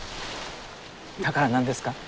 だから何ですか？